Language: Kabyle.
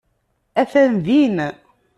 Atan din.